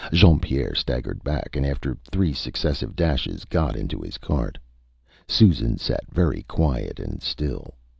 Jean Pierre staggered back, and after three successive dashes got into his cart. Susan sat very quiet and still.